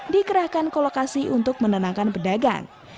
dikerahkan ke lokasi untuk menenangkan pedagang